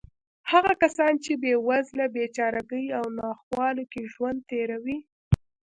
هغه کسان چې په بېوزلۍ، بېچارهګۍ او ناخوالو کې ژوند تېروي.